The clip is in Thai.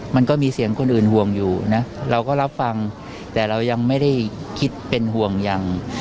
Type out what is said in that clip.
มันก็มีเสียงคนอื่นห่วงอยู่นะเราก็รับฟังแต่เรายังไม่ได้คิดเป็นห่วงอย่าง